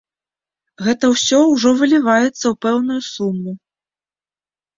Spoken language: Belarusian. Гэта ўсё ўжо выліваецца ў пэўную суму.